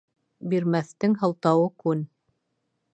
Бирмәҫтең һылтауы күн.